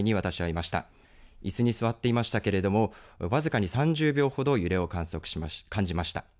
いすに座っていましたけれども僅かに３０秒ほど揺れを感じました。